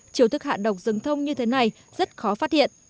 chiều thức hạ độc rừng thông như thế này rất khó phát hiện